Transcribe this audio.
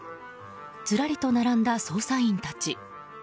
ずらりと並んだ捜査員たち。